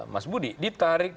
mas budi ditarik